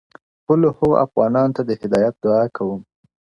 • خپلو هغو افغانانو ته د هدایت دعا کوم -